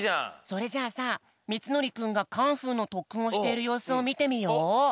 それじゃあさみつのりくんがカンフーのとっくんをしているようすをみてみよう。